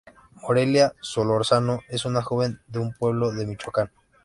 Morelia Solórzano es una joven de un pueblo de Michoacán.